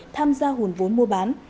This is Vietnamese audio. tham gia hùn vốn mua bán